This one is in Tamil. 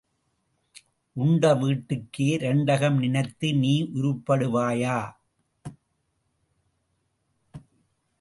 உண்ட வீட்டுக்கே இரண்டகம் நினைத்த நீ உருப்படுவாயா?